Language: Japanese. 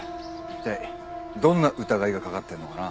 一体どんな疑いがかかってるのかな？